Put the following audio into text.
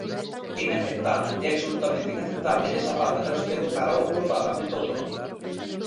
É inaceptable, é absolutamente inaceptable esa falta de respecto cara a outro parlamento autonómico.